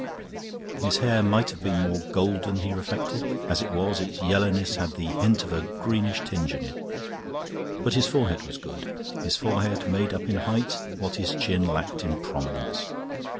His hair might have been more golden, he reflected. As it was, its yellowness had the hint of a greenish tinge in it. But his forehead was good. His forehead made up in height what his chin lacked in prominence.